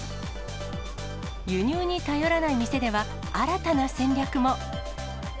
輸入に頼らない店では、新たな戦略も。